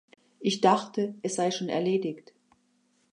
Ich dachte, es sei schon erledigt.